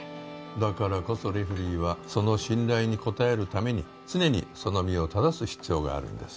だからこそレフリーはその信頼に応えるために常にその身を正す必要があるんです